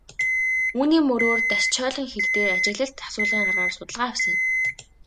Үүний мөрөөр Дашчойлин хийд дээр ажиглалт асуулгын аргаар судалгаа авсан юм.